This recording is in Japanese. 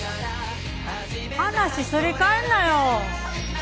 話すり替えんなよ！